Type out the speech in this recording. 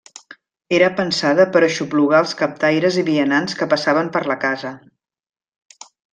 Era pensada per aixoplugar els captaires i vianants que passaven per la casa.